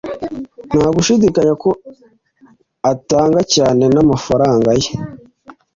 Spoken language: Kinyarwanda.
nta gushidikanya ko atanga cyane n'amafaranga ye